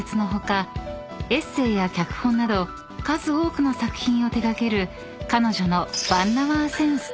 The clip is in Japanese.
エッセーや脚本など数多くの作品を手掛ける彼女の］